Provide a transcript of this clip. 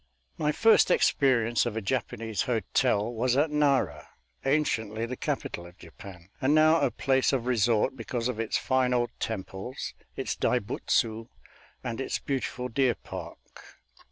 My first experience of a Japanese hotel was at Nara, anciently the capital of Japan, and now a place of resort because of its fine old temples, its Dai Butsu, and its beautiful deer park.